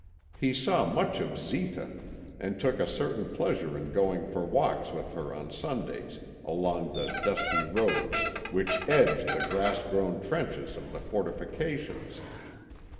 He saw much of Zita, and took a certain pleasure in going for walks with her on Sundays along the dusty roads which edge the grass grown trenches of the fortifications.